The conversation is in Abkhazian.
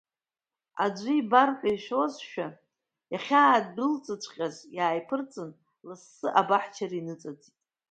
Аӡәы ибар хәа ишәозшәа, иахьаадәылҵҵәҟьаз иааиԥырҵын, лассы абаҳчара иныҵаӡит.